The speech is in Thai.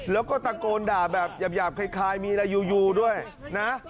แล้วก็ตะโกนด่าแบบหยาบคล้ายมีอะไรยูด้วยนะ